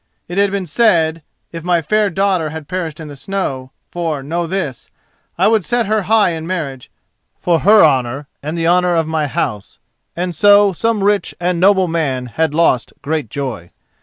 "It had been sad if my fair daughter had perished in the snow, for, know this: I would set her high in marriage, for her honour and the honour of my house, and so some rich and noble man had lost great joy.